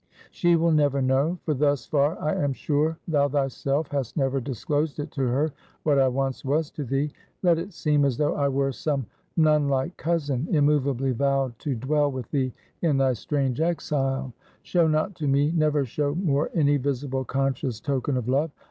She will never know for thus far I am sure thou thyself hast never disclosed it to her what I once was to thee. Let it seem, as though I were some nun like cousin immovably vowed to dwell with thee in thy strange exile. Show not to me, never show more any visible conscious token of love.